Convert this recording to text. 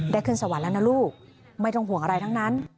ขึ้นสวรรค์แล้วนะลูกไม่ต้องห่วงอะไรทั้งนั้น